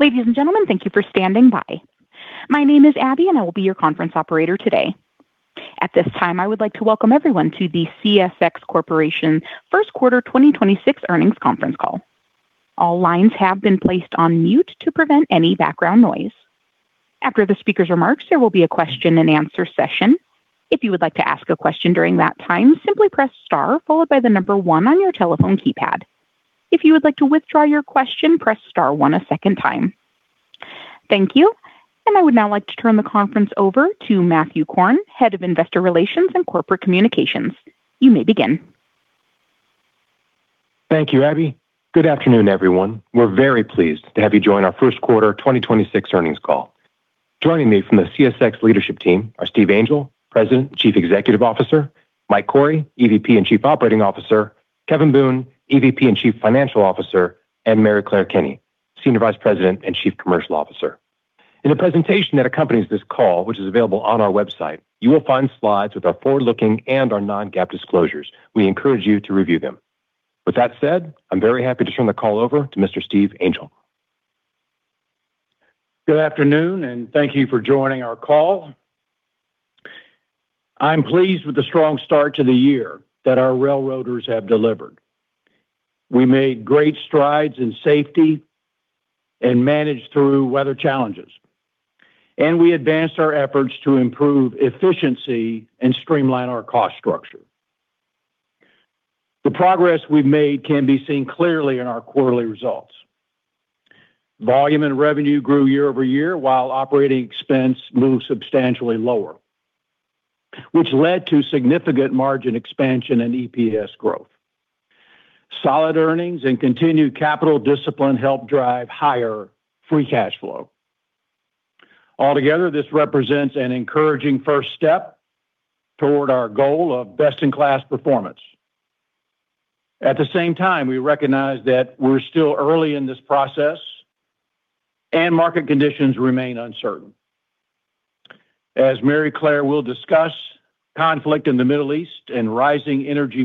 Ladies and gentlemen, thank you for standing by. My name is Abby, and I will be your conference operator today. At this time, I would like to welcome everyone to the CSX Corporation First Quarter 2026 Earnings Conference Call. All lines have been placed on mute to prevent any background noise. After the speaker's remarks, there will be a question and answer session. If you would like to ask a question during that time, simply press star followed by the number one on your telephone keypad. If you would like to withdraw your question, press star one a second time. Thank you. I would now like to turn the conference over to Matthew Korn, Head of Investor Relations and Corporate Communications. You may begin. Thank you, Abby. Good afternoon, everyone. We're very pleased to have you join our First Quarter 2026 Earnings Call. Joining me from the CSX leadership team are Steve Angel, President and Chief Executive Officer, Mike Cory, EVP and Chief Operating Officer, Kevin Boone, EVP and Chief Financial Officer, and Maryclare Kenney, Senior Vice President and Chief Commercial Officer. In the presentation that accompanies this call, which is available on our website, you will find slides with our forward-looking and our non-GAAP disclosures. We encourage you to review them. With that said, I'm very happy to turn the call over to Mr. Steve Angel. Good afternoon, and thank you for joining our call. I'm pleased with the strong start to the year that our railroaders have delivered. We made great strides in safety and managed through weather challenges. We advanced our efforts to improve efficiency and streamline our cost structure. The progress we've made can be seen clearly in our quarterly results. Volume and revenue grew year over year while operating expense moved substantially lower, which led to significant margin expansion and EPS growth. Solid earnings and continued capital discipline helped drive higher free cash flow. Altogether, this represents an encouraging first step toward our goal of best-in-class performance. At the same time, we recognize that we're still early in this process and market conditions remain uncertain. As Maryclare will discuss, conflict in the Middle East and rising energy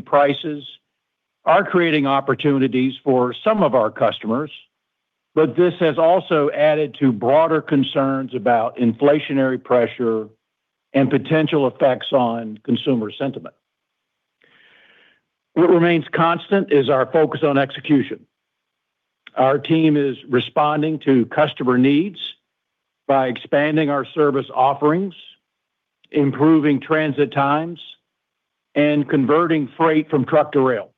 prices are creating opportunities for some of our customers, but this has also added to broader concerns about inflationary pressure and potential effects on consumer sentiment. What remains constant is our focus on execution. Our team is responding to customer needs by expanding our service offerings, improving transit times, and converting freight from truck to rail.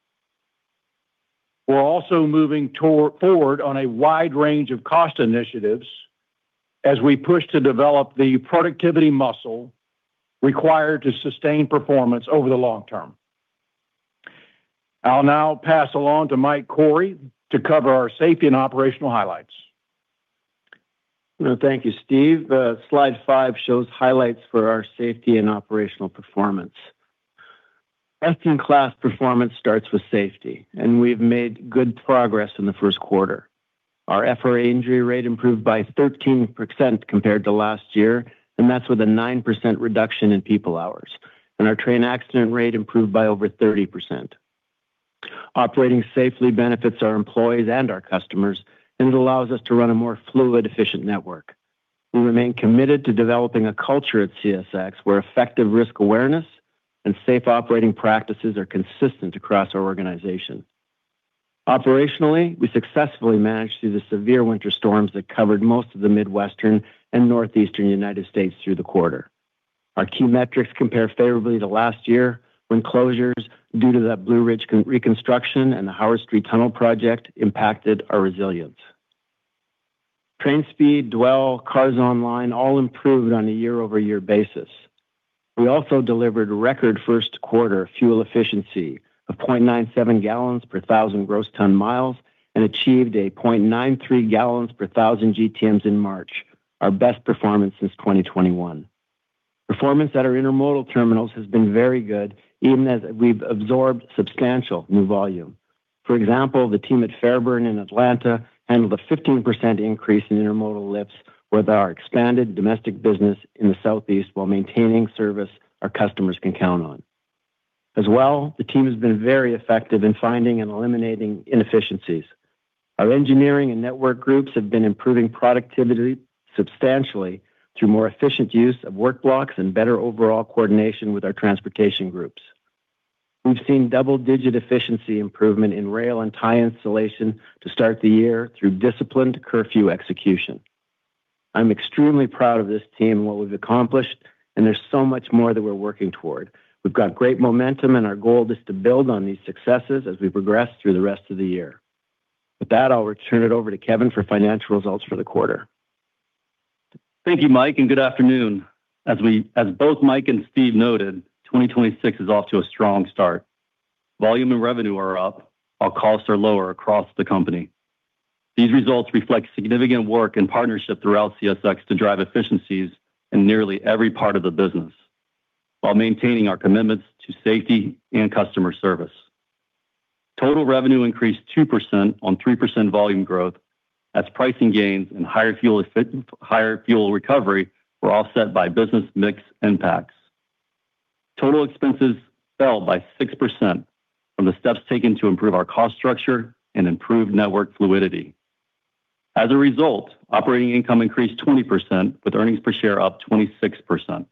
We're also moving forward on a wide range of cost initiatives as we push to develop the productivity muscle required to sustain performance over the long term. I'll now pass along to Mike Cory to cover our safety and operational highlights. Thank you, Steve. Slide five shows highlights for our safety and operational performance. Best-in-class performance starts with safety, and we've made good progress in the first quarter. Our FRA injury rate improved by 13% compared to last year, and that's with a 9% reduction in people hours. Our train accident rate improved by over 30%. Operating safely benefits our employees and our customers, and it allows us to run a more fluid, efficient network. We remain committed to developing a culture at CSX where effective risk awareness and safe operating practices are consistent across our organization. Operationally, we successfully managed through the severe winter storms that covered most of the Midwestern and Northeastern United States through the quarter. Our key metrics compare favorably to last year when closures due to that Blue Ridge reconstruction and the Howard Street Tunnel project impacted our resilience. Train speed, dwell, cars online, all improved on a year-over-year basis. We also delivered record first quarter fuel efficiency of 0.97 gallons per thousand gross ton miles and achieved a 0.93 gallons per thousand GTMs in March, our best performance since 2021. Performance at our intermodal terminals has been very good even as we've absorbed substantial new volume. For example, the team at Fairburn in Atlanta handled a 15% increase in intermodal lifts with our expanded domestic business in the Southeast while maintaining service our customers can count on. As well, the team has been very effective in finding and eliminating inefficiencies. Our engineering and network groups have been improving productivity substantially through more efficient use of work blocks and better overall coordination with our transportation groups. We've seen double-digit efficiency improvement in rail and tie installation to start the year through disciplined curfew execution. I'm extremely proud of this team and what we've accomplished, and there's so much more that we're working toward. We've got great momentum, and our goal is to build on these successes as we progress through the rest of the year. With that, I'll return it over to Kevin for financial results for the quarter. Thank you, Mike, and good afternoon. As both Mike and Steve noted, 2026 is off to a strong start. Volume and revenue are up while costs are lower across the company. These results reflect significant work and partnership throughout CSX to drive efficiencies in nearly every part of the business while maintaining our commitments to safety and customer service. Total revenue increased 2% on 3% volume growth as pricing gains and higher fuel recovery were offset by business mix impacts. Total expenses fell by 6% from the steps taken to improve our cost structure and improve network fluidity. As a result, operating income increased 20%, with earnings per share up 26%.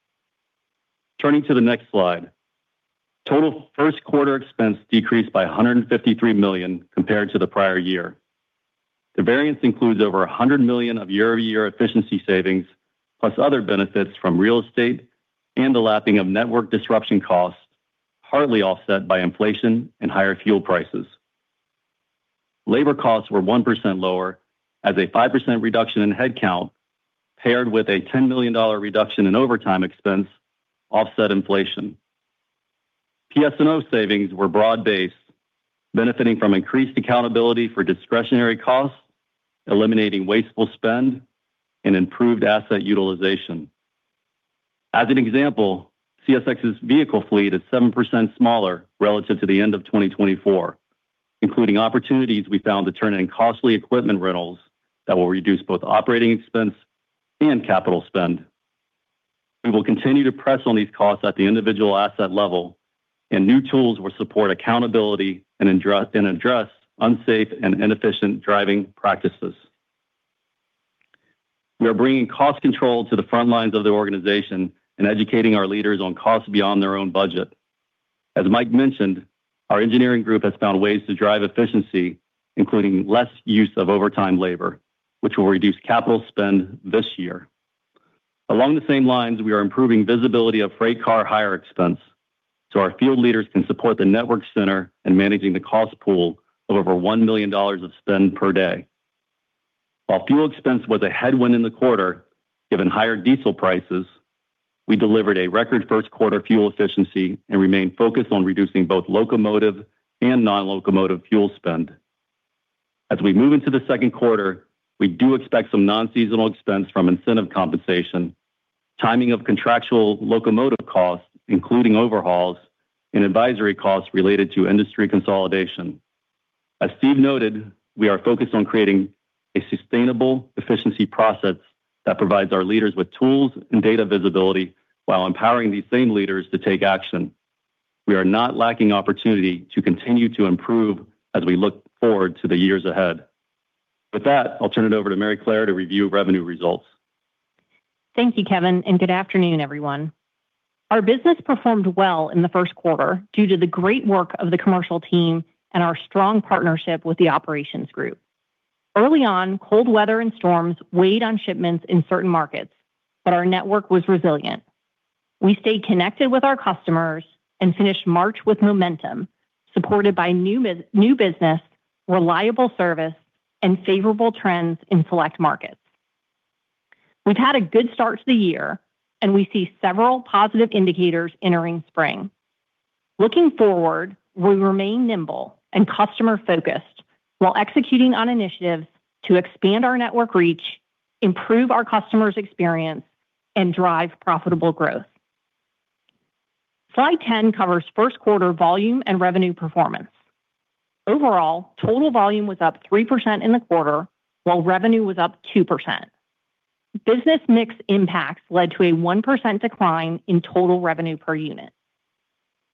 Turning to the next slide. Total first quarter expense decreased by $153 million compared to the prior year. The variance includes over $100 million of year-over-year efficiency savings, plus other benefits from real estate and the lapping of network disruption costs, partly offset by inflation and higher fuel prices. Labor costs were 1% lower as a 5% reduction in headcount, paired with a $10 million reduction in overtime expense, offset inflation. PS&O savings were broad-based, benefiting from increased accountability for discretionary costs, eliminating wasteful spend, and improved asset utilization. As an example, CSX's vehicle fleet is 7% smaller relative to the end of 2024, including opportunities we found to turn in costly equipment rentals that will reduce both operating expense and capital spend. We will continue to press on these costs at the individual asset level, and new tools will support accountability and address unsafe and inefficient driving practices. We are bringing cost control to the front lines of the organization and educating our leaders on costs beyond their own budget. As Mike mentioned, our engineering group has found ways to drive efficiency, including less use of overtime labor, which will reduce capital spend this year. Along the same lines, we are improving visibility of freight car hire expense, so our field leaders can support the network center in managing the cost pool of over $1 million of spend per day. While fuel expense was a headwind in the quarter, given higher diesel prices, we delivered a record first quarter fuel efficiency and remain focused on reducing both locomotive and non-locomotive fuel spend. As we move into the second quarter, we do expect some non-seasonal expense from incentive compensation, timing of contractual locomotive costs, including overhauls, and advisory costs related to industry consolidation. As Steve noted, we are focused on creating a sustainable efficiency process that provides our leaders with tools and data visibility while empowering these same leaders to take action. We are not lacking opportunity to continue to improve as we look forward to the years ahead. With that, I'll turn it over to Maryclare to review revenue results. Thank you, Kevin, and good afternoon, everyone. Our business performed well in the first quarter due to the great work of the commercial team and our strong partnership with the operations group. Early on, cold weather and storms weighed on shipments in certain markets, but our network was resilient. We stayed connected with our customers and finished March with momentum, supported by new business, reliable service, and favorable trends in select markets. We've had a good start to the year, and we see several positive indicators entering spring. Looking forward, we remain nimble and customer-focused while executing on initiatives to expand our network reach, improve our customers' experience, and drive profitable growth. Slide 10 covers first quarter volume and revenue performance. Overall, total volume was up 3% in the quarter, while revenue was up 2%. Business mix impacts led to a 1% decline in total revenue per unit.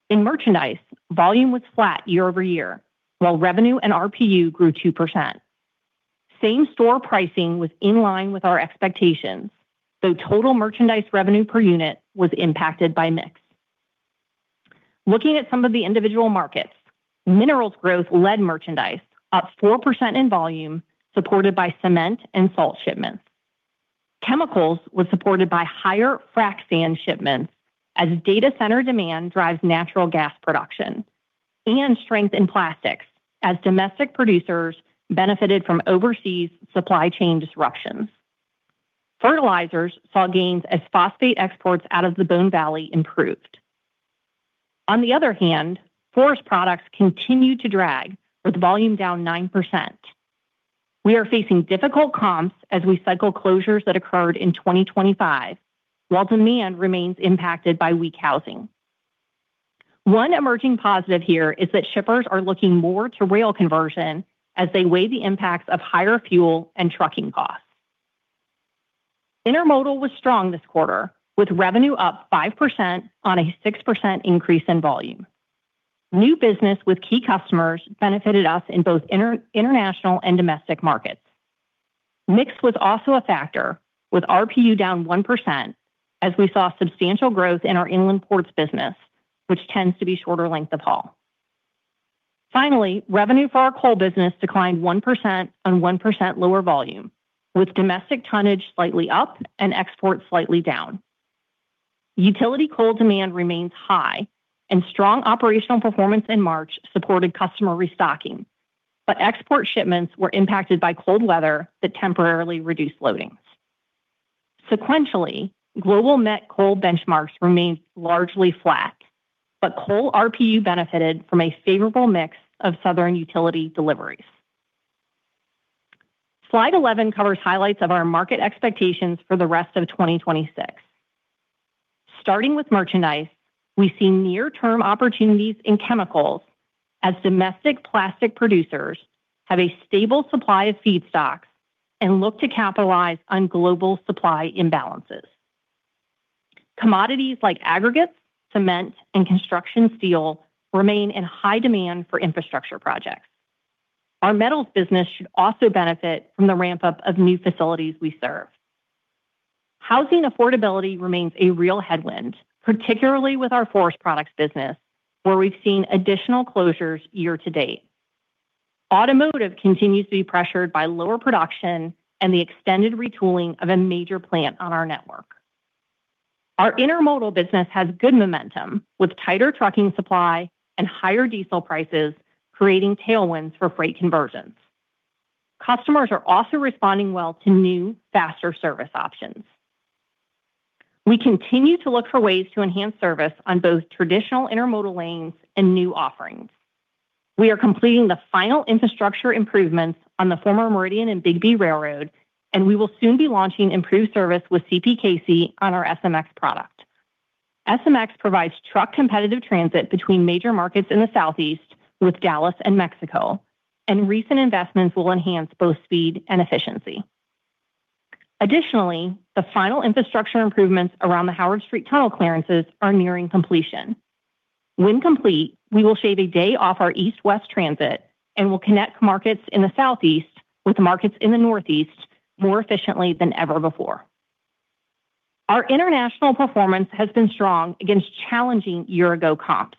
In merchandise, volume was flat year-over-year, while revenue and RPU grew 2%. Same-store pricing was in line with our expectations, though total merchandise revenue per unit was impacted by mix. Looking at some of the individual markets, minerals growth led merchandise, up 4% in volume, supported by cement and salt shipments. Chemicals was supported by higher frac sand shipments as data center demand drives natural gas production and strength in plastics as domestic producers benefited from overseas supply chain disruptions. Fertilizers saw gains as phosphate exports out of the Bone Valley improved. On the other hand, forest products continued to drag, with volume down 9%. We are facing difficult comps as we cycle closures that occurred in 2025, while demand remains impacted by weak housing. One emerging positive here is that shippers are looking more to rail conversion as they weigh the impacts of higher fuel and trucking costs. Intermodal was strong this quarter, with revenue up 5% on a 6% increase in volume. New business with key customers benefited us in both international and domestic markets. Mix was also a factor, with RPU down 1% as we saw substantial growth in our inland ports business, which tends to be shorter length of haul. Finally, revenue for our coal business declined 1% on 1% lower volume, with domestic tonnage slightly up and export slightly down. Utility coal demand remains high, and strong operational performance in March supported customer restocking, but export shipments were impacted by cold weather that temporarily reduced loadings. Sequentially, global net coal benchmarks remained largely flat, but coal RPU benefited from a favorable mix of southern utility deliveries. Slide 11 covers highlights of our market expectations for the rest of 2026. Starting with merchandise, we see near-term opportunities in chemicals. As domestic plastic producers have a stable supply of feedstocks and look to capitalize on global supply imbalances. Commodities like aggregates, cement, and construction steel remain in high demand for infrastructure projects. Our metals business should also benefit from the ramp-up of new facilities we serve. Housing affordability remains a real headwind, particularly with our forest products business, where we've seen additional closures year-to-date. Automotive continues to be pressured by lower production and the extended retooling of a major plant on our network. Our intermodal business has good momentum, with tighter trucking supply and higher diesel prices creating tailwinds for freight conversions. Customers are also responding well to new, faster service options. We continue to look for ways to enhance service on both traditional intermodal lanes and new offerings. We are completing the final infrastructure improvements on the former Meridian & Bigbee Railroad, and we will soon be launching improved service with CPKC on our SMX product. SMX provides truck-competitive transit between major markets in the Southeast, with Dallas and Mexico, and recent investments will enhance both speed and efficiency. Additionally, the final infrastructure improvements around the Howard Street tunnel clearances are nearing completion. When complete, we will shave a day off our east-west transit and will connect markets in the Southeast with markets in the Northeast more efficiently than ever before. Our international performance has been strong against challenging year-ago comps,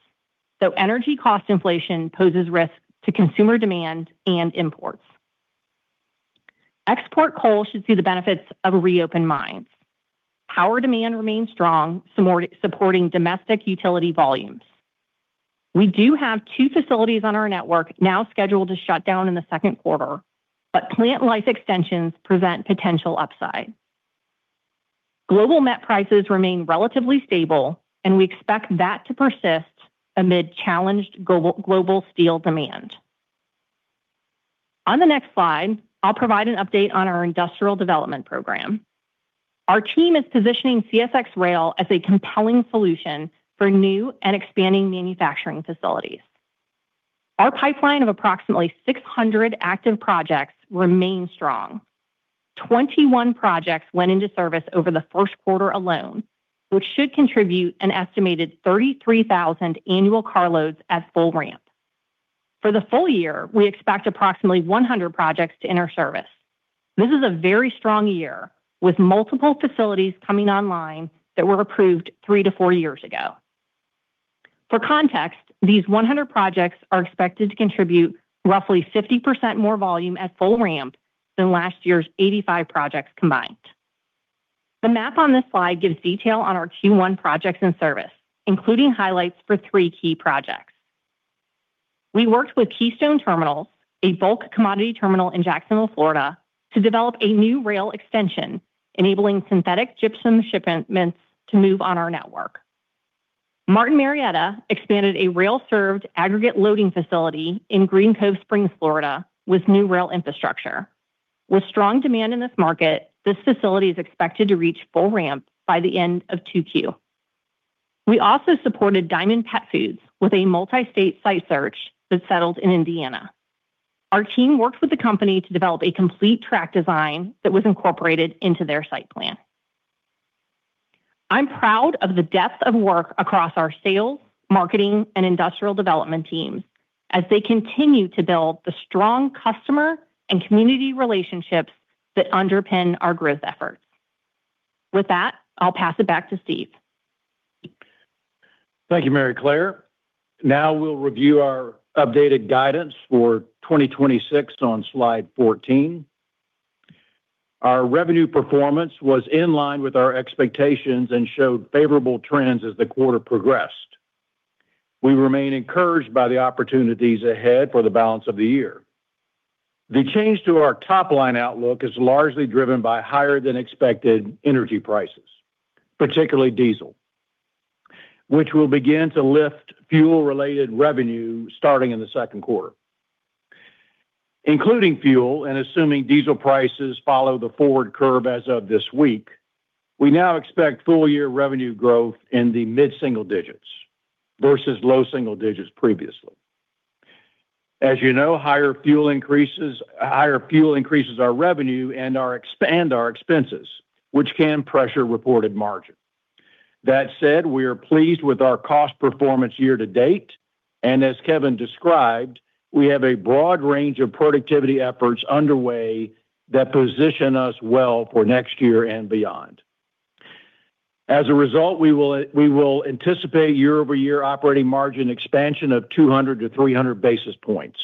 though energy cost inflation poses risk to consumer demand and imports. Export coal should see the benefits of reopened mines. Power demand remains strong, supporting domestic utility volumes. We do have two facilities on our network now scheduled to shut down in the second quarter, but plant life extensions present potential upside. Global met prices remain relatively stable, and we expect that to persist amid challenged global steel demand. On the next slide, I'll provide an update on our industrial development program. Our team is positioning CSX Rail as a compelling solution for new and expanding manufacturing facilities. Our pipeline of approximately 600 active projects remains strong. 21 projects went into service over the first quarter alone, which should contribute an estimated 33,000 annual carloads at full ramp. For the full year, we expect approximately 100 projects to enter service. This is a very strong year, with multiple facilities coming online that were approved three to four years ago. For context, these 100 projects are expected to contribute roughly 50% more volume at full ramp than last year's 85 projects combined. The map on this slide gives detail on our Q1 projects and service, including highlights for three key projects. We worked with Keystone Terminals, a bulk commodity terminal in Jacksonville, Florida, to develop a new rail extension, enabling synthetic gypsum shipments to move on our network. Martin Marietta expanded a rail-served aggregate loading facility in Green Cove Springs, Florida, with new rail infrastructure. With strong demand in this market, this facility is expected to reach full ramp by the end of 2Q. We also supported Diamond Pet Foods with a multi-state site search that settled in Indiana. Our team worked with the company to develop a complete track design that was incorporated into their site plan. I'm proud of the depth of work across our sales, marketing, and industrial development teams as they continue to build the strong customer and community relationships that underpin our growth efforts. With that, I'll pass it back to Steve. Thank you, Maryclare. Now we'll review our updated guidance for 2026 on slide 14. Our revenue performance was in line with our expectations and showed favorable trends as the quarter progressed. We remain encouraged by the opportunities ahead for the balance of the year. The change to our top-line outlook is largely driven by higher than expected energy prices, particularly diesel, which will begin to lift fuel-related revenue starting in the second quarter. Including fuel, and assuming diesel prices follow the forward curve as of this week, we now expect full-year revenue growth in the mid-single digits versus low single digits previously. As you know, higher fuel increases our revenue and expands our expenses, which can pressure reported margin. That said, we are pleased with our cost performance year-to-date, and as Kevin described, we have a broad range of productivity efforts underway that position us well for next year and beyond. As a result, we will anticipate year-over-year operating margin expansion of 200 to 300 basis points,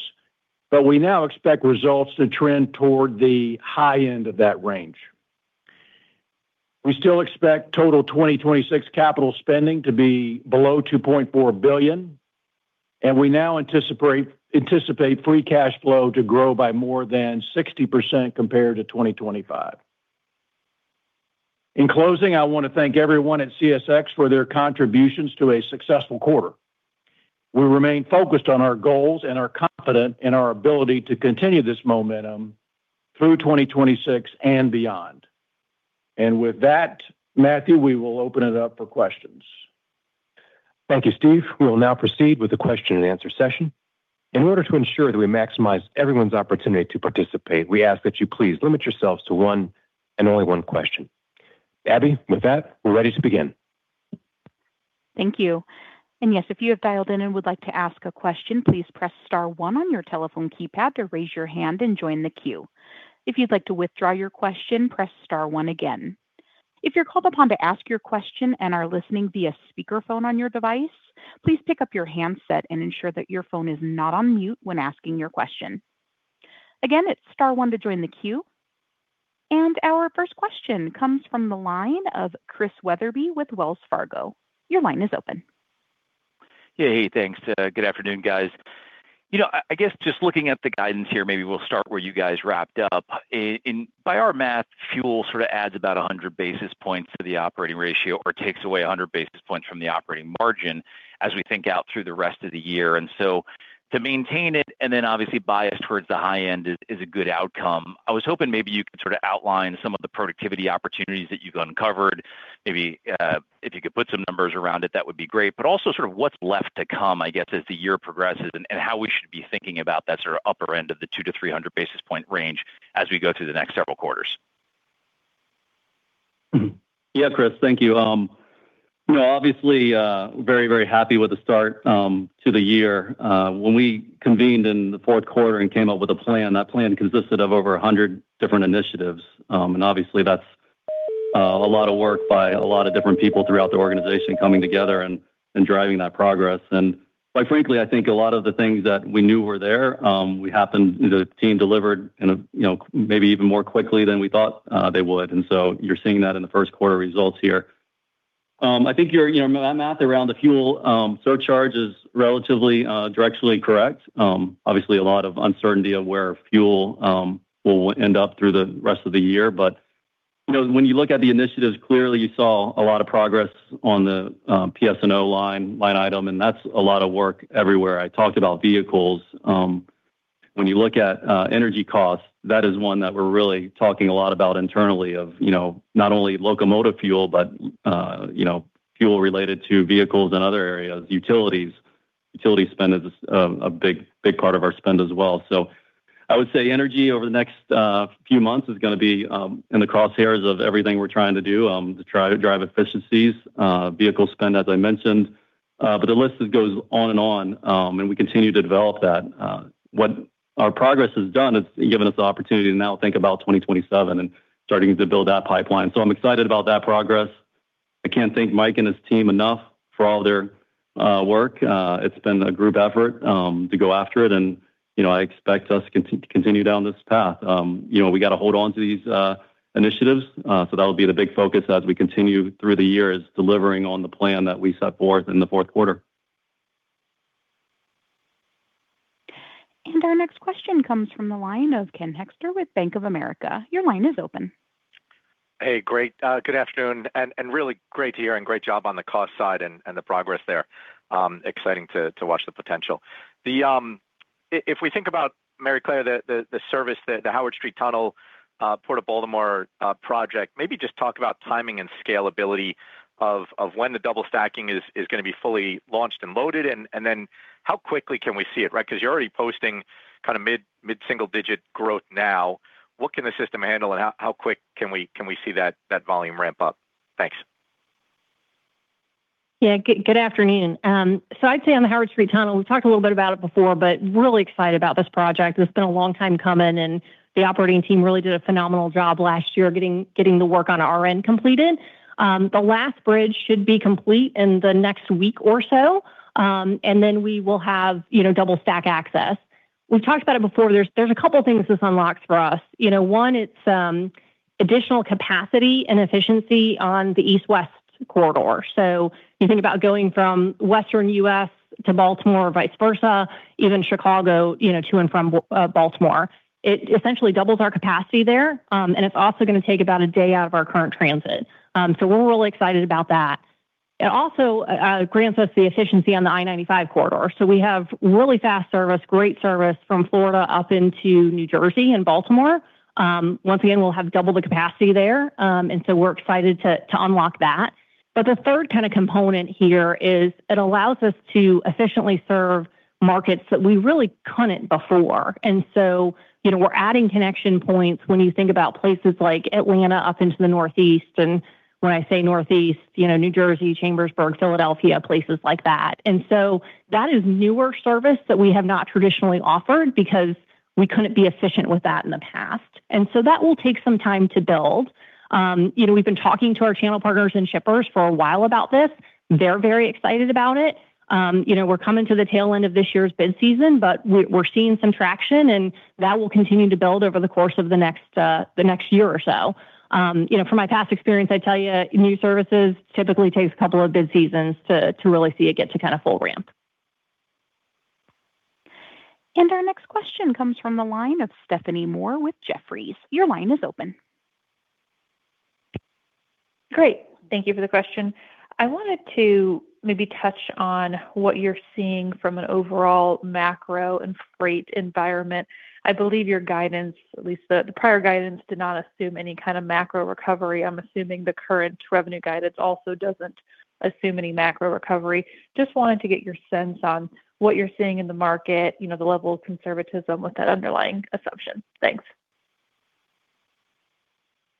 but we now expect results to trend toward the high end of that range. We still expect total 2026 capital spending to be below $2.4 billion, and we now anticipate free cash flow to grow by more than 60% compared to 2025. In closing, I want to thank everyone at CSX for their contributions to a successful quarter. We remain focused on our goals and are confident in our ability to continue this momentum through 2026 and beyond. With that, Matthew, we will open it up for questions. Thank you, Steve. We will now proceed with the question and answer session. In order to ensure that we maximize everyone's opportunity to participate, we ask that you please limit yourselves to one and only one question. Abby, with that, we're ready to begin. Thank you. Yes, if you have dialed in and would like to ask a question, please press star one on your telephone keypad to raise your hand and join the queue. If you'd like to withdraw your question, press star one again. If you're called upon to ask your question and are listening via speakerphone on your device, please pick up your handset and ensure that your phone is not on mute when asking your question. Again, it's star one to join the queue. Our first question comes from the line of Chris Wetherbee with Wells Fargo. Your line is open. Yeah. Hey, thanks. Good afternoon, guys. I guess just looking at the guidance here, maybe we'll start where you guys wrapped up. By our math, fuel sort of adds about 100 basis points to the operating ratio or takes away 100 basis points from the operating margin as we think out through the rest of the year. To maintain it and then obviously bias towards the high end is a good outcome. I was hoping maybe you could sort of outline some of the productivity opportunities that you've uncovered. Maybe if you could put some numbers around it, that would be great, but also sort of what's left to come, I guess, as the year progresses and how we should be thinking about that sort of upper end of the two to 300 basis point range as we go through the next several quarters. Yeah, Chris, thank you. Obviously, very, very happy with the start to the year. When we convened in the fourth quarter and came up with a plan, that plan consisted of over 100 different initiatives. Obviously that's a lot of work by a lot of different people throughout the organization coming together and driving that progress. Quite frankly, I think a lot of the things that we knew were there, the team delivered in maybe even more quickly than we thought they would. You're seeing that in the first quarter results here. I think your math around the fuel surcharge is relatively directionally correct. Obviously, a lot of uncertainty of where fuel will end up through the rest of the year. When you look at the initiatives, clearly you saw a lot of progress on the PS&O line item, and that's a lot of work everywhere. I talked about vehicles. When you look at energy costs, that is one that we're really talking a lot about internally of not only locomotive fuel, but fuel related to vehicles and other areas. Utilities spend is a big part of our spend as well. I would say energy over the next few months is going to be in the crosshairs of everything we're trying to do to try to drive efficiencies. Vehicle spend, as I mentioned, but the list just goes on and on, and we continue to develop that. What our progress has done is given us the opportunity to now think about 2027 and starting to build that pipeline. I'm excited about that progress. I can't thank Mike and his team enough for all their work. It's been a group effort to go after it, and I expect us to continue down this path. We got to hold on to these initiatives. That'll be the big focus as we continue through the year, is delivering on the plan that we set forth in the fourth quarter. Our next question comes from the line of Ken Hoexter with Bank of America. Your line is open. Hey, great. Good afternoon and really great to hear and great job on the cost side and the progress there. Exciting to watch the potential. If we think about, Maryclare, the service, the Howard Street Tunnel, Port of Baltimore project, maybe just talk about timing and scalability of when the double stacking is going to be fully launched and loaded, and then how quickly can we see it? Because you're already posting kind of mid-single digit growth now. What can the system handle and how quick can we see that volume ramp up? Thanks. Yeah. Good afternoon. I'd say on the Howard Street Tunnel, we've talked a little bit about it before, but really excited about this project. It's been a long time coming, and the operating team really did a phenomenal job last year getting the work on our end completed. The last bridge should be complete in the next week or so, and then we will have double stack access. We've talked about it before. There's a couple things this unlocks for us. One, it's additional capacity and efficiency on the East/West corridor. You think about going from western U.S. to Baltimore, vice versa, even Chicago, to and from Baltimore. It essentially doubles our capacity there, and it's also going to take about a day out of our current transit. We're really excited about that. It also grants us the efficiency on the I-95 corridor. We have really fast service, great service from Florida up into New Jersey and Baltimore. Once again, we'll have double the capacity there, and so we're excited to unlock that. The third kind of component here is it allows us to efficiently serve markets that we really couldn't before. We're adding connection points when you think about places like Atlanta up into the Northeast. When I say Northeast, New Jersey, Chambersburg, Philadelphia, places like that. That is newer service that we have not traditionally offered because we couldn't be efficient with that in the past. That will take some time to build. We've been talking to our channel partners and shippers for a while about this. They're very excited about it. We're coming to the tail end of this year's bid season, but we're seeing some traction, and that will continue to build over the course of the next year or so. From my past experience, I tell you, new services typically takes a couple of bid seasons to really see it get to kind of full ramp. Our next question comes from the line of Stephanie Moore with Jefferies. Your line is open. Great. Thank you for the question. I wanted to maybe touch on what you're seeing from an overall macro and freight environment. I believe your guidance, at least the prior guidance, did not assume any kind of macro recovery. I'm assuming the current revenue guidance also doesn't assume any macro recovery. Just wanted to get your sense on what you're seeing in the market, the level of conservatism with that underlying assumption. Thanks.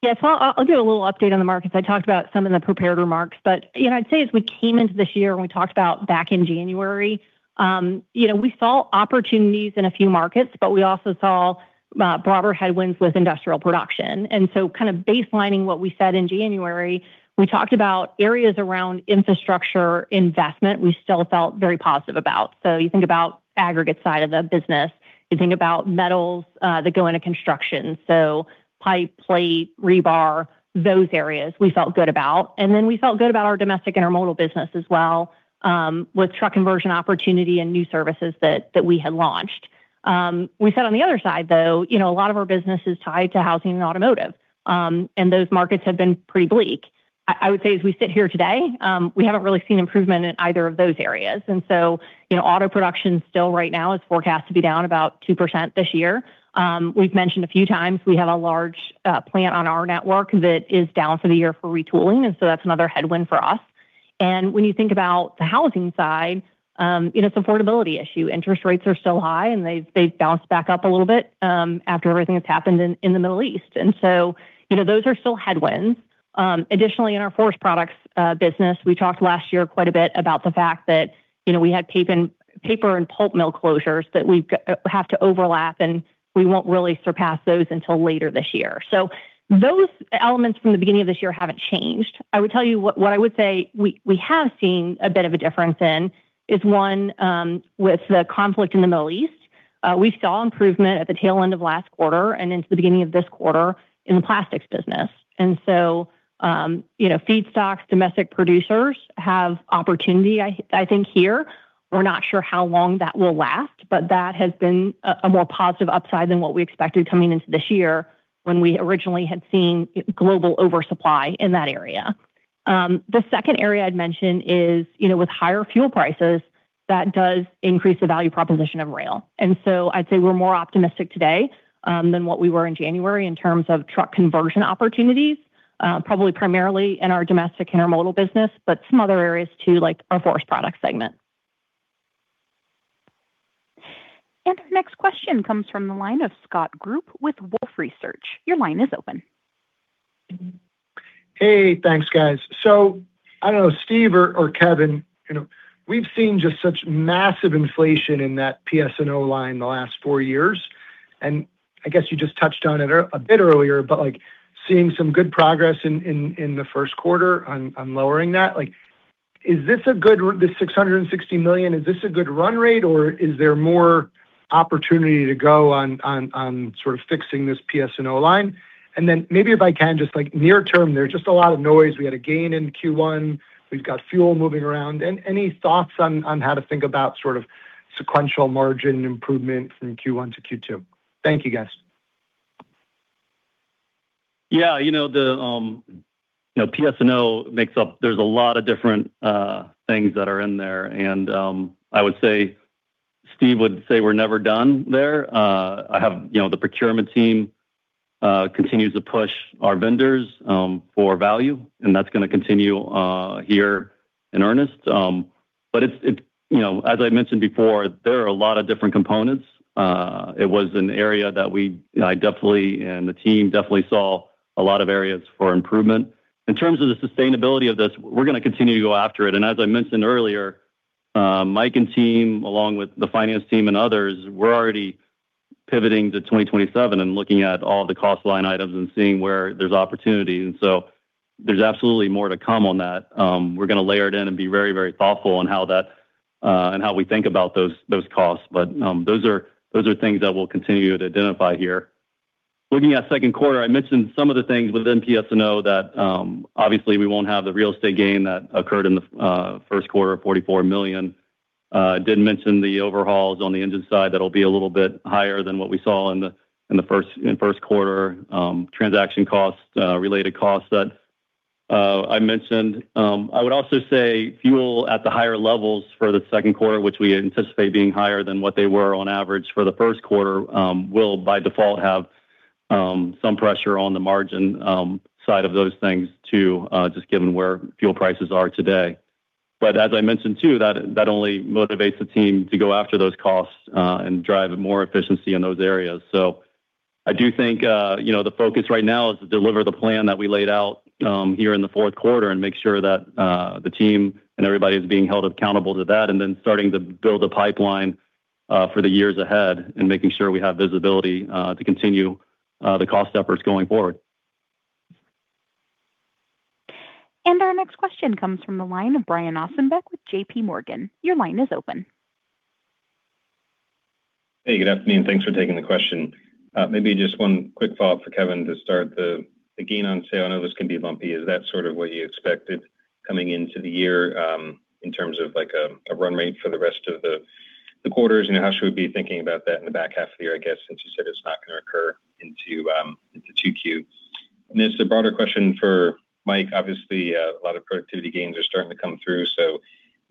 Yes. I'll give a little update on the markets. I talked about some in the prepared remarks, but I'd say as we came into this year, and we talked about back in January, we saw opportunities in a few markets, but we also saw broader headwinds with industrial production. Kind of baselining what we said in January, we talked about areas around infrastructure investment we still felt very positive about. You think about aggregate side of the business, you think about metals that go into construction. Pipe, plate, rebar, those areas we felt good about. Then we felt good about our domestic Intermodal business as well, with truck conversion opportunity and new services that we had launched. We said on the other side, though, a lot of our business is tied to housing and automotive, and those markets have been pretty bleak. I would say, as we sit here today, we haven't really seen improvement in either of those areas. Auto production still right now is forecast to be down about 2% this year. We've mentioned a few times, we have a large plant on our network that is down for the year for retooling, and so that's another headwind for us. When you think about the housing side, it's affordability issue. Interest rates are still high, and they've bounced back up a little bit after everything that's happened in the Middle East. Those are still headwinds. Additionally, in our forest products business, we talked last year quite a bit about the fact that we had paper and pulp mill closures that we have to overlap, and we won't really surpass those until later this year. Those elements from the beginning of this year haven't changed. I would tell you what I would say we have seen a bit of a difference in is one, with the conflict in the Middle East. We saw improvement at the tail end of last quarter and into the beginning of this quarter in the plastics business. Feedstocks, domestic producers have opportunity, I think, here. We're not sure how long that will last, but that has been a more positive upside than what we expected coming into this year when we originally had seen global oversupply in that area. The second area I'd mention is with higher fuel prices, that does increase the value proposition of rail. I'd say we're more optimistic today than what we were in January in terms of truck conversion opportunities probably primarily in our domestic Intermodal business, but some other areas, too, like our forest product segment. Our next question comes from the line of Scott Group with Wolfe Research. Your line is open. Hey, thanks, guys. I don't know, Steve or Kevin, we've seen just such massive inflation in that PS&O line in the last four years, and I guess you just touched on it a bit earlier, but seeing some good progress in the first quarter on lowering that. This $660 million, is this a good run rate, or is there more opportunity to go on sort of fixing this PS&O line? Then maybe if I can, just like near term, there's just a lot of noise. We had a gain in Q1. We've got fuel moving around. Any thoughts on how to think about sort of sequential margin improvement from Q1 to Q2? Thank you, guys. Yeah. PS&O, there's a lot of different things that are in there. I would say Steve would say we're never done there. The procurement team continues to push our vendors for value, and that's going to continue here in earnest. As I mentioned before, there are a lot of different components. It was an area that I definitely, and the team definitely saw a lot of areas for improvement. In terms of the sustainability of this, we're going to continue to go after it. As I mentioned earlier, Mike and team, along with the finance team and others, we're already pivoting to 2027 and looking at all the cost line items and seeing where there's opportunity. There's absolutely more to come on that. We're going to layer it in and be very, very thoughtful on how we think about those costs. Those are things that we'll continue to identify here. Looking at second quarter, I mentioned some of the things within PS&O that obviously we won't have the real estate gain that occurred in the first quarter of $44 million. I didn't mention the overhauls on the engine side. That'll be a little bit higher than what we saw in first quarter. Transaction costs, related costs that I mentioned. I would also say fuel at the higher levels for the second quarter, which we anticipate being higher than what they were on average for the first quarter, will by default have some pressure on the margin side of those things, too, just given where fuel prices are today. As I mentioned, too, that only motivates the team to go after those costs and drive more efficiency in those areas. I do think the focus right now is to deliver the plan that we laid out here in the fourth quarter and make sure that the team and everybody is being held accountable to that and then starting to build a pipeline for the years ahead and making sure we have visibility to continue the cost efforts going forward. Our next question comes from the line of Brian Ossenbeck with J.P. Morgan. Your line is open. Hey, good afternoon. Thanks for taking the question. Maybe just one quick follow-up for Kevin to start the gain on sale. I know this can be bumpy. Is that sort of what you expected coming into the year in terms of a run rate for the rest of the quarters and how she would be thinking about that in the back half of the year, I guess, since you said it's not going to occur into 2Q. This is a broader question for Mike. Obviously, a lot of productivity gains are starting to come through, so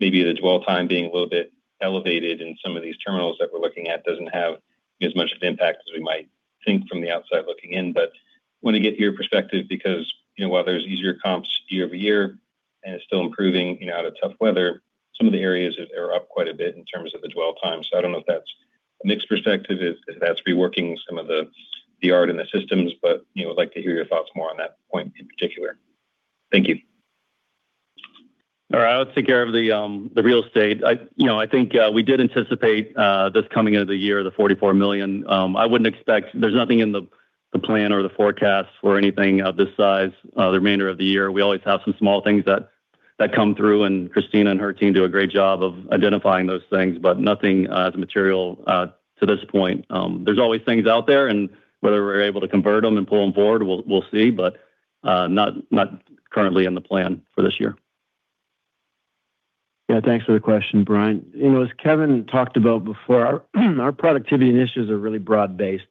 maybe the dwell time being a little bit elevated in some of these terminals that we're looking at doesn't have as much of an impact as we might think from the outside looking in. Want to get your perspective because while there's easier comps year-over-year and it's still improving out of tough weather, some of the areas are up quite a bit in terms of the dwell time. I don't know if that's a mixed perspective, if that's reworking some of the yard and the systems, but would like to hear your thoughts more on that point in particular. Thank you. All right. I'll take care of the real estate. I think we did anticipate this coming into the year, the $44 million. There's nothing in the plan or the forecast for anything of this size the remainder of the year. We always have some small things that come through, and Christina and her team do a great job of identifying those things, but nothing as material to this point. There's always things out there, and whether we're able to convert them and pull them forward, we'll see, but not currently in the plan for this year. Yeah, thanks for the question, Brian. As Kevin talked about before, our productivity initiatives are really broad-based,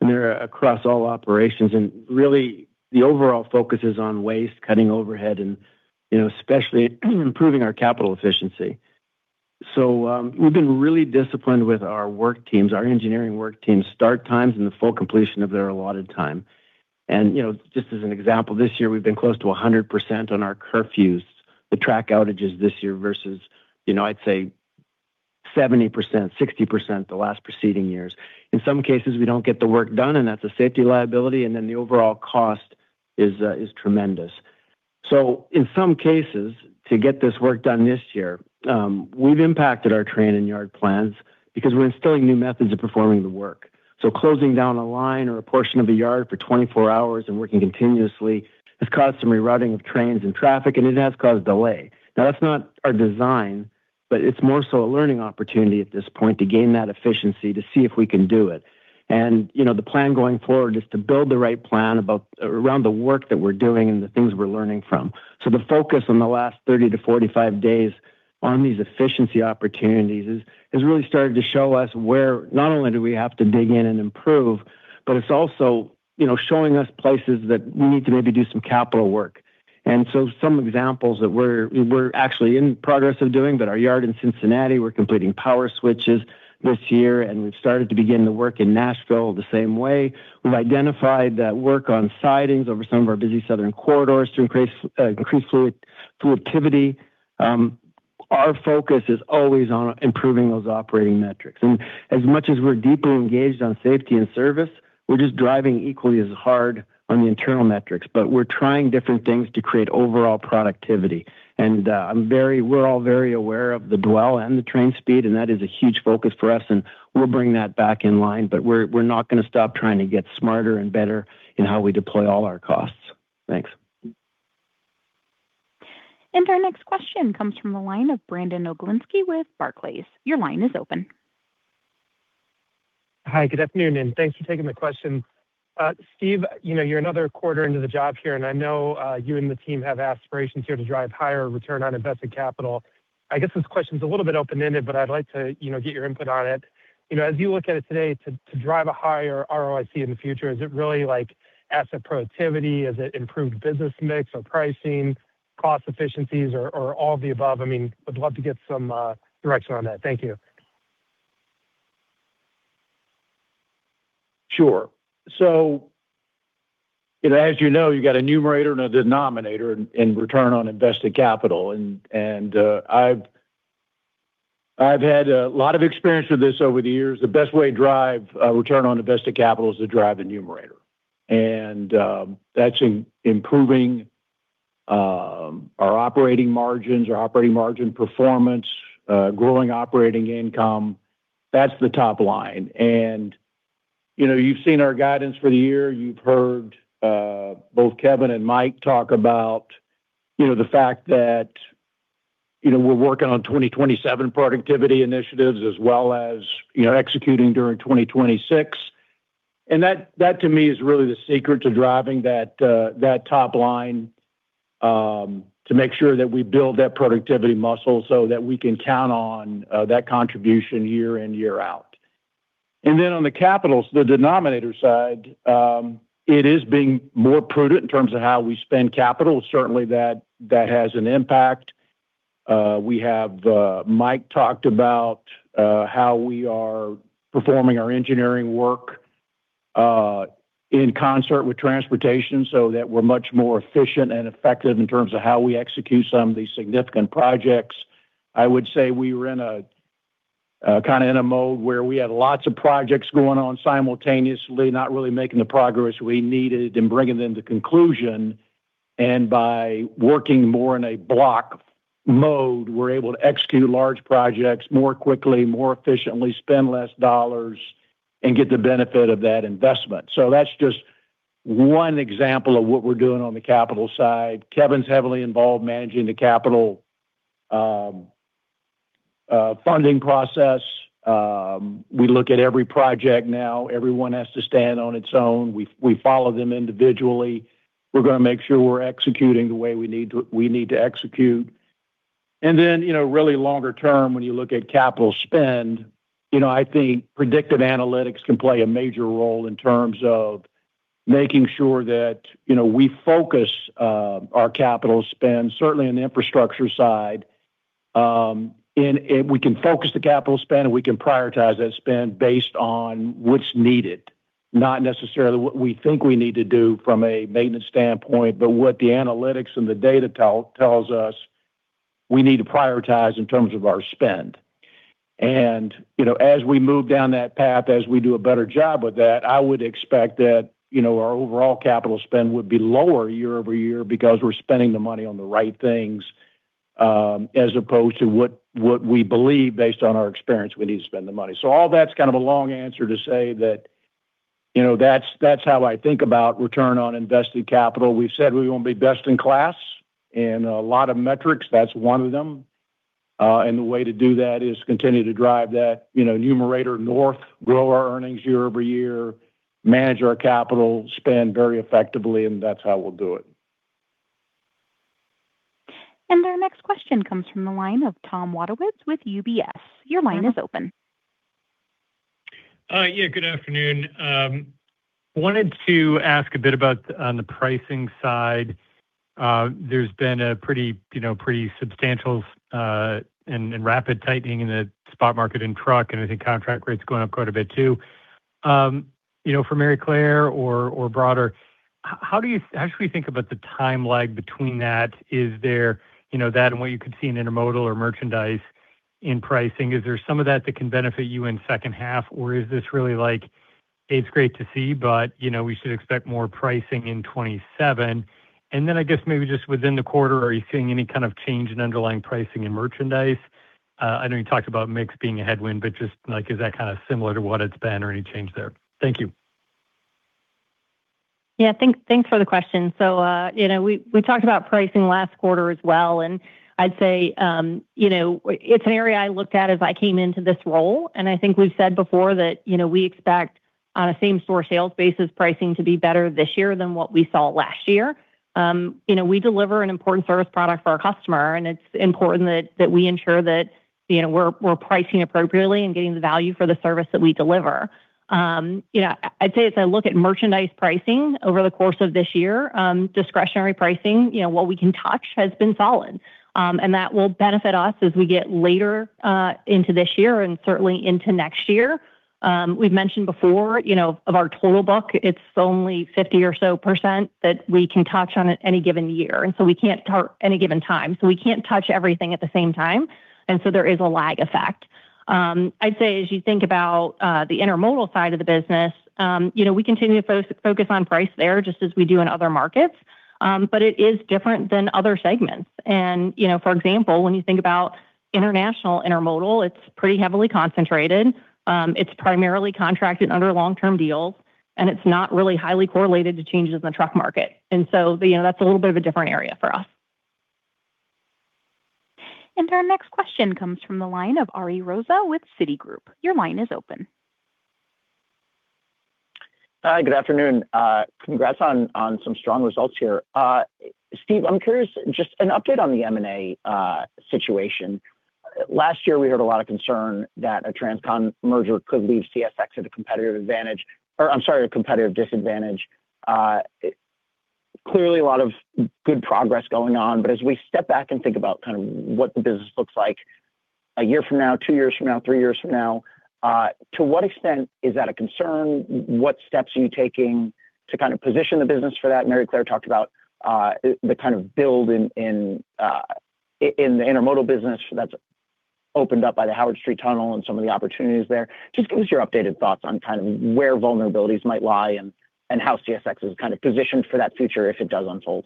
and they're across all operations. Really, the overall focus is on waste, cutting overhead, and especially improving our capital efficiency. We've been really disciplined with our work teams, our engineering work teams, start times, and the full completion of their allotted time. Just as an example, this year, we've been close to 100% on our curfews, the track outages this year, versus, I'd say 70%, 60% the last preceding years. In some cases, we don't get the work done, and that's a safety liability, and then the overall cost is tremendous. In some cases, to get this work done this year, we've impacted our train and yard plans because we're installing new methods of performing the work. Closing down a line or a portion of a yard for 24 hours and working continuously has caused some rerouting of trains and traffic, and it has caused delay. Now, that's not our design, but it's more so a learning opportunity at this point to gain that efficiency, to see if we can do it. The plan going forward is to build the right plan around the work that we're doing and the things we're learning from. The focus on the last 30-45 days on these efficiency opportunities has really started to show us where not only do we have to dig in and improve, but it's also showing us places that we need to maybe do some capital work. Some examples that we're actually in progress of doing, but our yard in Cincinnati, we're completing power switches this year, and we've started to begin the work in Nashville the same way. We've identified that work on sidings over some of our busy southern corridors to increase fluidity. Our focus is always on improving those operating metrics. As much as we're deeply engaged on safety and service, we're just driving equally as hard on the internal metrics. We're trying different things to create overall productivity. We're all very aware of the dwell and the train speed, and that is a huge focus for us, and we'll bring that back in line. We're not going to stop trying to get smarter and better in how we deploy all our costs. Thanks. Our next question comes from the line of Brandon Oglenski with Barclays. Your line is open. Hi, good afternoon, and thanks for taking the question. Steve, you're another quarter into the job here, and I know you and the team have aspirations here to drive higher return on invested capital. I guess this question's a little bit open-ended, but I'd like to get your input on it. As you look at it today, to drive a higher ROIC in the future, is it really asset productivity? Is it improved business mix or pricing, cost efficiencies, or all of the above? Would love to get some direction on that. Thank you. Sure. As you know, you got a numerator and a denominator in return on invested capital, and I've had a lot of experience with this over the years. The best way to drive a return on invested capital is to drive the numerator. That's improving our operating margins, our operating margin performance, growing operating income. That's the top line. You've seen our guidance for the year. You've heard both Kevin and Mike talk about the fact that we're working on 2027 productivity initiatives as well as executing during 2026. That, to me, is really the secret to driving that top line to make sure that we build that productivity muscle so that we can count on that contribution year in, year out. Then on the capital, the denominator side, it is being more prudent in terms of how we spend capital. Certainly, that has an impact. Mike talked about how we are performing our engineering work in concert with transportation so that we're much more efficient and effective in terms of how we execute some of these significant projects. I would say we were in a mode where we had lots of projects going on simultaneously, not really making the progress we needed and bringing them to conclusion. By working more in a block mode, we're able to execute large projects more quickly, more efficiently, spend less dollars, and get the benefit of that investment. That's just one example of what we're doing on the capital side. Kevin's heavily involved managing the capital funding process. We look at every project now. Every one has to stand on its own. We follow them individually. We're going to make sure we're executing the way we need to execute. Really longer term, when you look at capital spend, I think predictive analytics can play a major role in terms of making sure that we focus our capital spend, certainly on the infrastructure side. We can focus the capital spend, and we can prioritize that spend based on what's needed, not necessarily what we think we need to do from a maintenance standpoint, but what the analytics and the data tells us we need to prioritize in terms of our spend. As we move down that path, as we do a better job with that, I would expect that our overall capital spend would be lower year-over-year because we're spending the money on the right things, as opposed to what we believe based on our experience we need to spend the money. All that's kind of a long answer to say that that's how I think about return on invested capital. We've said we want to be best in class in a lot of metrics. That's one of them. The way to do that is continue to drive that numerator north, grow our earnings year-over-year, manage our capital spend very effectively, and that's how we'll do it. Our next question comes from the line of Tom Wadewitz with UBS. Your line is open. Yeah, good afternoon. I wanted to ask a bit about on the pricing side. There's been a pretty substantial and rapid tightening in the spot market in truck, and I think contract rates going up quite a bit, too. For Maryclare or broader, how should we think about the time lag between that? Is there that and what you could see in intermodal or merchandise in pricing, is there some of that that can benefit you in second half? Or is this really like, it's great to see, but we should expect more pricing in 2027? And then I guess maybe just within the quarter, are you seeing any kind of change in underlying pricing in merchandise? I know you talked about mix being a headwind, but just is that kind of similar to what it's been or any change there? Thank you. Yeah. Thanks for the question. We talked about pricing last quarter as well, and I'd say, it's an area I looked at as I came into this role, and I think we've said before that we expect on a same store sales basis pricing to be better this year than what we saw last year. We deliver an important service product for our customer, and it's important that we ensure that we're pricing appropriately and getting the value for the service that we deliver. I'd say as I look at merchandise pricing over the course of this year, discretionary pricing, what we can touch has been solid. That will benefit us as we get later into this year and certainly into next year. We've mentioned before, of our total book, it's only 50% or so that we can touch on at any given year. We can't touch everything at the same time, and so there is a lag effect. I'd say as you think about the intermodal side of the business, we continue to focus on price there just as we do in other markets. It is different than other segments. For example, when you think about international intermodal, it's pretty heavily concentrated. It's primarily contracted under long-term deals, and it's not really highly correlated to changes in the truck market. That's a little bit of a different area for us. Our next question comes from the line of Ari Rosa with Citigroup. Your line is open. Hi, good afternoon. Congrats on some strong results here. Steve, I'm curious, just an update on the M&A situation. Last year, we heard a lot of concern that a transcon merger could leave CSX at a competitive advantage, or, I'm sorry, a competitive disadvantage. Clearly a lot of good progress going on. As we step back and think about kind of what the business looks like a year from now, two years from now, three years from now, to what extent is that a concern? What steps are you taking to kind of position the business for that? Maryclare talked about the kind of build in the intermodal business that's opened up by the Howard Street Tunnel and some of the opportunities there. Just give us your updated thoughts on kind of where vulnerabilities might lie and how CSX is kind of positioned for that future if it does unfold.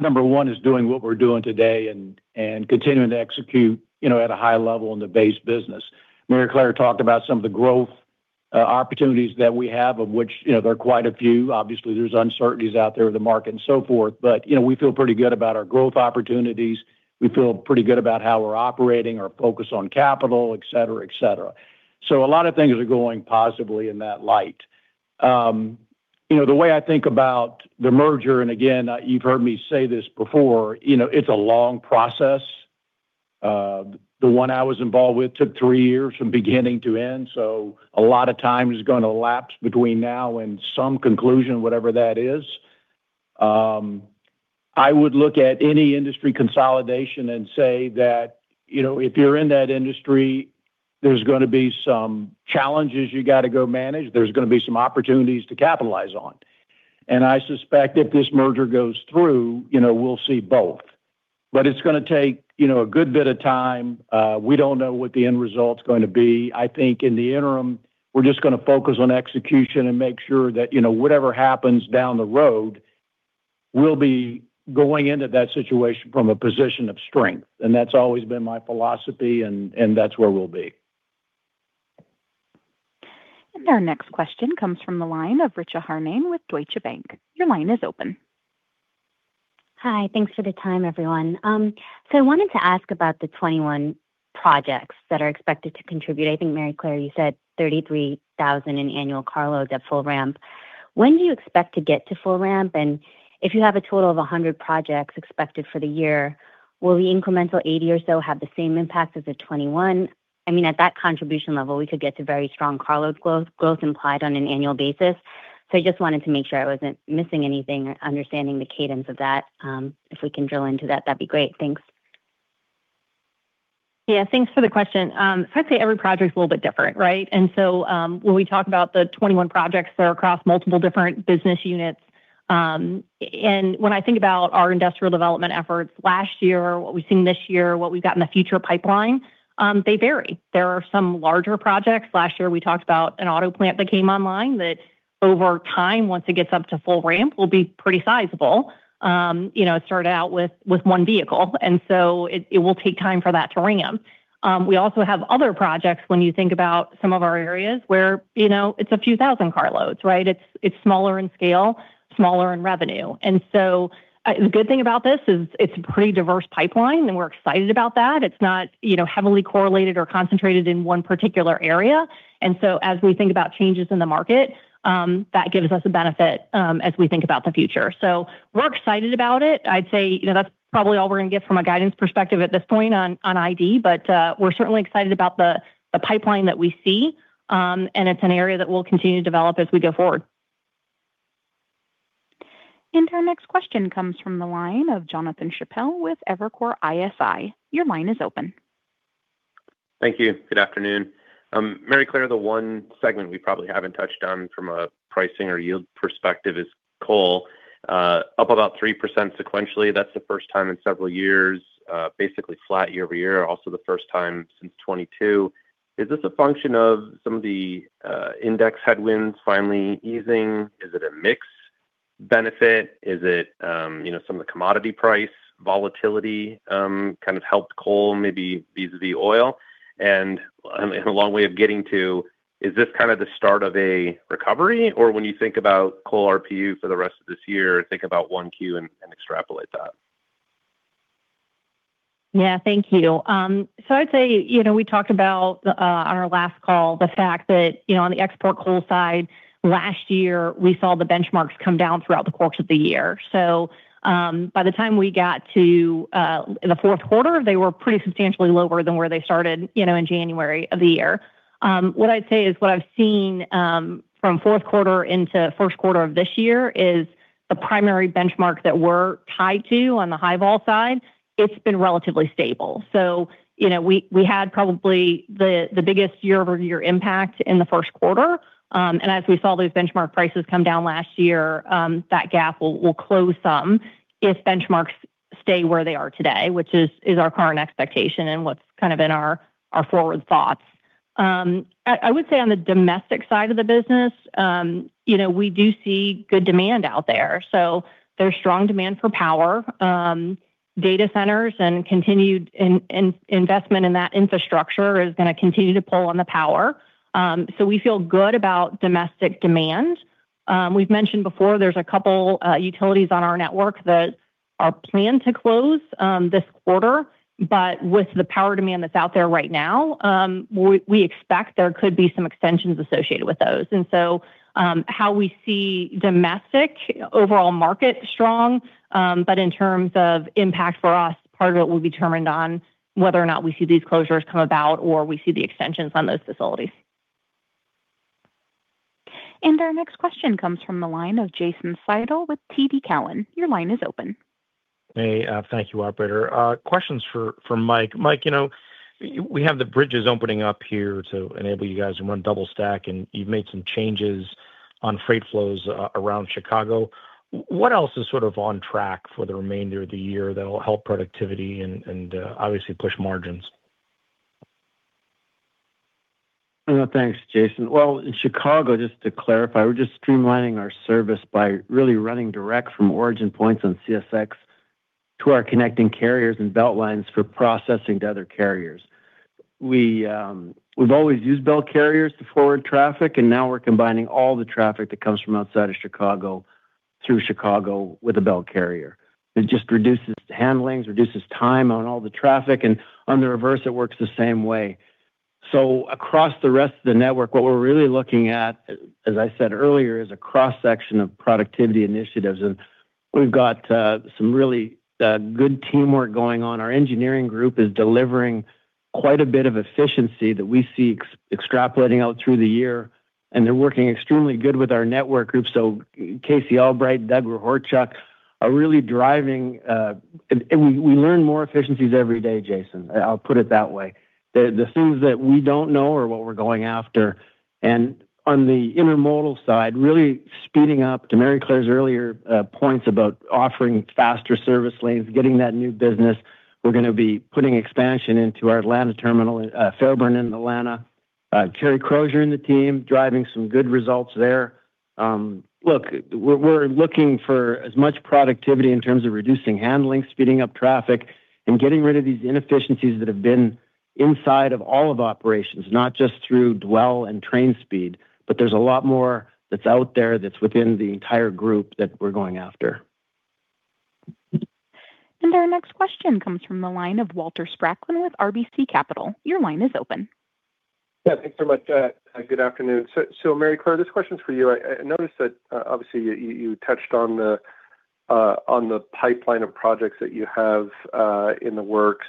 Number one is doing what we're doing today and continuing to execute at a high level in the base business. Maryclare talked about some of the growth opportunities that we have, of which, there are quite a few. Obviously, there's uncertainties out there in the market and so forth, but we feel pretty good about our growth opportunities. We feel pretty good about how we're operating, our focus on capital, et cetera. A lot of things are going positively in that light. The way I think about the merger, and again, you've heard me say this before, it's a long process. The one I was involved with took three years from beginning to end. A lot of time is going to lapse between now and some conclusion, whatever that is. I would look at any industry consolidation and say that if you're in that industry, there's going to be some challenges you got to go manage. There's going to be some opportunities to capitalize on. I suspect if this merger goes through, we'll see both. It's going to take a good bit of time. We don't know what the end result's going to be. I think in the interim, we're just going to focus on execution and make sure that whatever happens down the road, we'll be going into that situation from a position of strength. That's always been my philosophy, and that's where we'll be. Our next question comes from the line of Richa Harnain with Deutsche Bank. Your line is open. Hi. Thanks for the time, everyone. I wanted to ask about the 21 projects that are expected to contribute, I think, Maryclare, you said 33,000 in annual carload at full ramp. When do you expect to get to full ramp? If you have a total of 100 projects expected for the year, will the incremental 80 or so have the same impact as the 21? I mean, at that contribution level, we could get to very strong carload growth implied on an annual basis. I just wanted to make sure I wasn't missing anything or understanding the cadence of that. If we can drill into that'd be great. Thanks. Yeah. Thanks for the question. I'd say every project's a little bit different, right? When we talk about the 21 projects that are across multiple different business units, and when I think about our industrial development efforts last year, what we've seen this year, what we've got in the future pipeline, they vary. There are some larger projects. Last year, we talked about an auto plant that came online that over time, once it gets up to full ramp, will be pretty sizable. It started out with one vehicle. It will take time for that to ramp. We also have other projects when you think about some of our areas where it's a few thousand carloads, right? It's smaller in scale, smaller in revenue. The good thing about this is it's a pretty diverse pipeline, and we're excited about that. It's not heavily correlated or concentrated in one particular area. As we think about changes in the market, that gives us a benefit as we think about the future. We're excited about it. I'd say that's probably all we're going to give from a guidance perspective at this point on ID, but we're certainly excited about the pipeline that we see. It's an area that we'll continue to develop as we go forward. Our next question comes from the line of Jonathan Chappell with Evercore ISI. Your line is open. Thank you. Good afternoon. Maryclare, the one segment we probably haven't touched on from a pricing or yield perspective is coal, up about 3% sequentially. That's the first time in several years. Basically flat year-over-year, also the first time since 2022. Is this a function of some of the index headwinds finally easing? Is it a mix benefit? Is it some of the commodity price volatility kind of helped coal, maybe vis-a-vis oil? A long way of getting to, is this kind of the start of a recovery? Or when you think about coal RPU for the rest of this year, think about one Q and extrapolate that. Yeah. Thank you. I'd say we talked about on our last call the fact that on the export coal side last year, we saw the benchmarks come down throughout the course of the year. By the time we got to the fourth quarter, they were pretty substantially lower than where they started in January of the year. What I'd say is what I've seen from fourth quarter into first quarter of this year is the primary benchmark that we're tied to on the high vol side, it's been relatively stable. We had probably the biggest year-over-year impact in the first quarter. As we saw those benchmark prices come down last year, that gap will close some if benchmarks stay where they are today, which is our current expectation and what's kind of in our forward thoughts. I would say on the domestic side of the business, we do see good demand out there. There's strong demand for power. Data centers and continued investment in that infrastructure is going to continue to pull on the power. We feel good about domestic demand. We've mentioned before there's a couple utilities on our network that are planned to close this quarter, but with the power demand that's out there right now, we expect there could be some extensions associated with those. How we see domestic overall market strong, but in terms of impact for us, part of it will be determined on whether or not we see these closures come about or we see the extensions on those facilities. Our next question comes from the line of Jason Seidl with TD Cowen. Your line is open. Hey, thank you, operator. Questions for Mike. Mike, we have the bridges opening up here to enable you guys to run double stack, and you've made some changes on freight flows around Chicago. What else is sort of on track for the remainder of the year that'll help productivity and obviously push margins? Thanks, Jason. Well, in Chicago, just to clarify, we're just streamlining our service by really running direct from origin points on CSX to our connecting carriers and belt lines for processing to other carriers. We've always used belt carriers to forward traffic, and now we're combining all the traffic that comes from outside of Chicago through Chicago with a belt carrier. It just reduces handlings, reduces time on all the traffic, and on the reverse, it works the same way. Across the rest of the network, what we're really looking at, as I said earlier, is a cross-section of productivity initiatives, and we've got some really good teamwork going on. Our engineering group is delivering quite a bit of efficiency that we see extrapolating out through the year, and they're working extremely good with our network group. Casey Albright and Doug Hrechak are really driving. We learn more efficiencies every day, Jason. I'll put it that way. The things that we don't know are what we're going after. On the intermodal side, really speeding up, to Maryclare's earlier points about offering faster service lanes, getting that new business, we're going to be putting expansion into our Atlanta terminal in Fairburn in Atlanta. Carrie Crozier and the team driving some good results there. Look, we're looking for as much productivity in terms of reducing handling, speeding up traffic, and getting rid of these inefficiencies that have been inside of all of operations, not just through dwell and train speed, but there's a lot more that's out there that's within the entire group that we're going after. Our next question comes from the line of Walter Spracklin with RBC Capital. Your line is open. Yeah, thanks so much. Good afternoon. Maryclare, this question's for you. I noticed that obviously you touched on the pipeline of projects that you have in the works.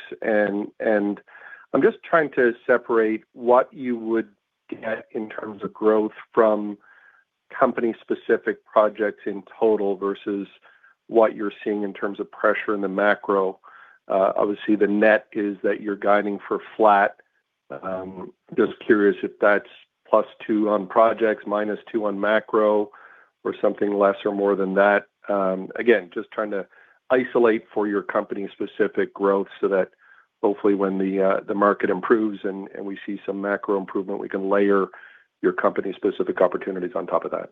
I'm just trying to separate what you would get in terms of growth from company-specific projects in total versus what you're seeing in terms of pressure in the macro. Obviously, the net is that you're guiding for flat. Just curious if that's +2 on projects, -2 on macro, or something less or more than that. Again, just trying to isolate for your company-specific growth so that hopefully when the market improves and we see some macro improvement, we can layer your company-specific opportunities on top of that.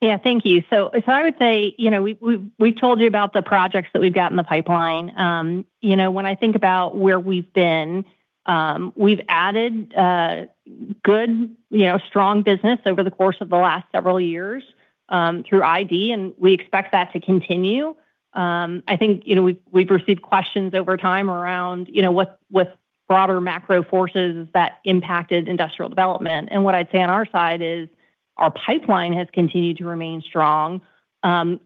Yeah, thank you. I would say, we told you about the projects that we've got in the pipeline. When I think about where we've been, we've added good, strong business over the course of the last several years through ID, and we expect that to continue. I think we've received questions over time around what broader macro forces that impacted industrial development. What I'd say on our side is our pipeline has continued to remain strong.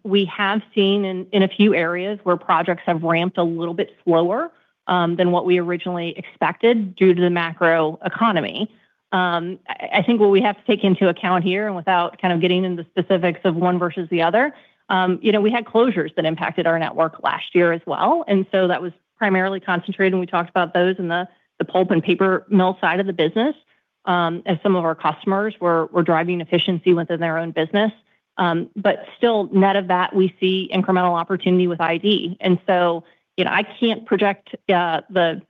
We have seen in a few areas where projects have ramped a little bit slower than what we originally expected due to the macro economy. I think what we have to take into account here, and without kind of getting into specifics of one versus the other, we had closures that impacted our network last year as well. That was primarily concentrated, and we talked about those in the pulp and paper mill side of the business, as some of our customers were driving efficiency within their own business. Still net of that, we see incremental opportunity with ID. I can't project the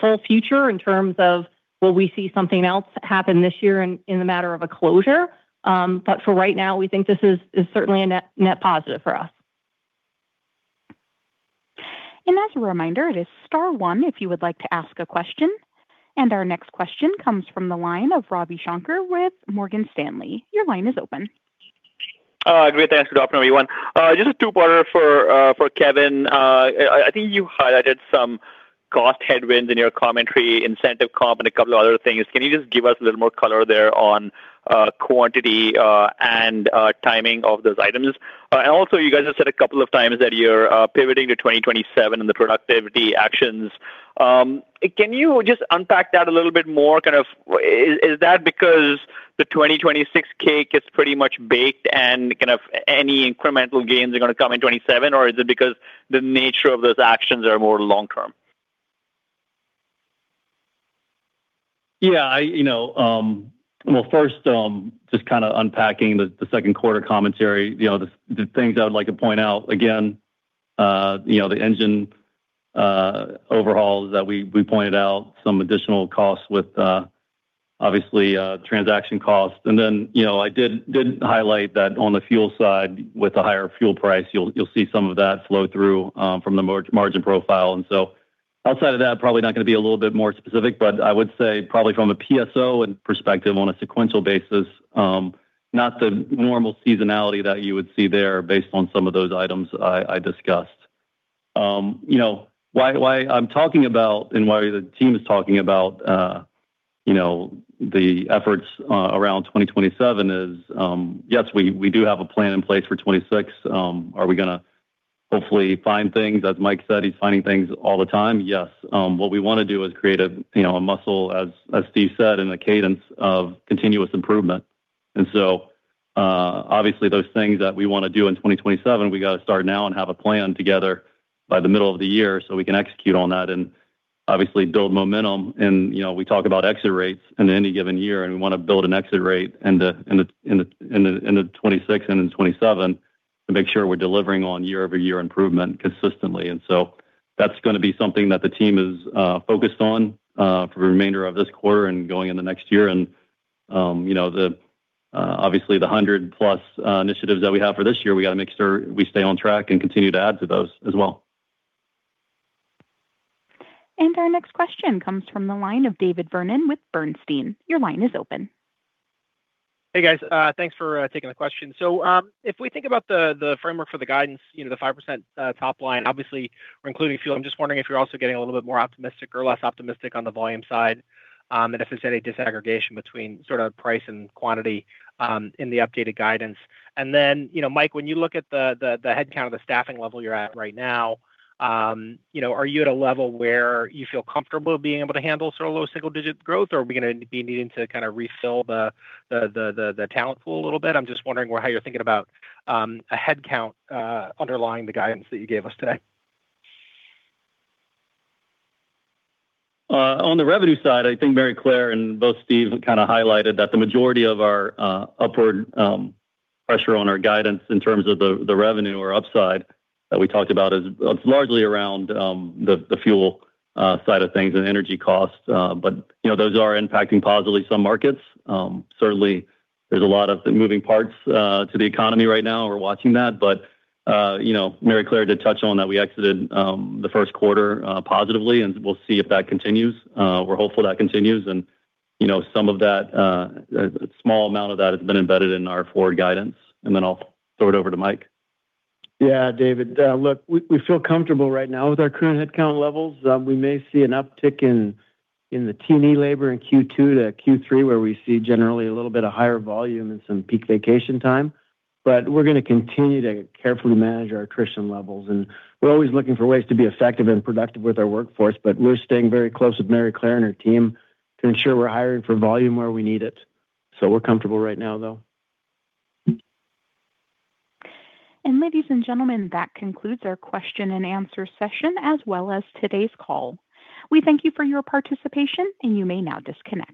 full future in terms of will we see something else happen this year in the matter of a closure? For right now, we think this is certainly a net positive for us. As a reminder, it is star one if you would like to ask a question. Our next question comes from the line of Ravi Shanker with Morgan Stanley. Your line is open. Great. Thanks. Good afternoon, everyone. Just a two-parter for Kevin. I think you highlighted some cost headwinds in your commentary, incentive comp, and a couple of other things. Can you just give us a little more color there on quantity and timing of those items? Also, you guys have said a couple of times that you're pivoting to 2027 in the productivity actions. Can you just unpack that a little bit more? Is that because the 2026 cake is pretty much baked and any incremental gains are going to come in 2027, or is it because the nature of those actions are more long-term? Yeah. Well, first, just kind of unpacking the second quarter commentary, the things I would like to point out again, the engine overhauls that we pointed out, some additional costs with obviously transaction costs. I did highlight that on the fuel side with the higher fuel price, you'll see some of that flow through from the margin profile. Outside of that, probably not going to be a little bit more specific, but I would say probably from a PS&O perspective on a sequential basis, not the normal seasonality that you would see there based on some of those items I discussed. Why I'm talking about and why the team is talking about the efforts around 2027 is, yes, we do have a plan in place for 2026. Are we going to hopefully find things? As Mike said, he's finding things all the time. Yes. What we want to do is create a muscle, as Steve said, and a cadence of continuous improvement. Obviously those things that we want to do in 2027, we got to start now and have a plan together by the middle of the year so we can execute on that and obviously build momentum. We talk about exit rates in any given year, and we want to build an exit rate in the 2026 and in 2027 to make sure we're delivering on year-over-year improvement consistently. That's going to be something that the team is focused on for the remainder of this quarter and going in the next year. Obviously the 100 plus initiatives that we have for this year, we got to make sure we stay on track and continue to add to those as well. Our next question comes from the line of David Vernon with Bernstein. Your line is open. Hey, guys. Thanks for taking the question. If we think about the framework for the guidance, the 5% top line, obviously we're including fuel. I'm just wondering if you're also getting a little bit more optimistic or less optimistic on the volume side, and if there's any disaggregation between sort of price and quantity in the updated guidance. Mike, when you look at the headcount of the staffing level you're at right now, are you at a level where you feel comfortable being able to handle sort of low single-digit growth, or are we going to be needing to kind of refill the talent pool a little bit? I'm just wondering how you're thinking about a headcount underlying the guidance that you gave us today. On the revenue side, I think Maryclare and both Steve kind of highlighted that the majority of our upward pressure on our guidance in terms of the revenue or upside that we talked about is largely around the fuel side of things and energy costs. Those are impacting positively some markets. Certainly, there's a lot of moving parts to the economy right now. We're watching that. Maryclare did touch on that we exited the first quarter positively, and we'll see if that continues. We're hopeful that continues and some of that, a small amount of that has been embedded in our forward guidance, and then I'll throw it over to Mike. Yeah, David. Look, we feel comfortable right now with our current headcount levels. We may see an uptick in the T&E labor in Q2 to Q3, where we see generally a little bit of higher volume and some peak vacation time. We're going to continue to carefully manage our attrition levels, and we're always looking for ways to be effective and productive with our workforce, but we're staying very close with Maryclare and her team to ensure we're hiring for volume where we need it. We're comfortable right now, though. Ladies and gentlemen, that concludes our question and answer session, as well as today's call. We thank you for your participation, and you may now disconnect.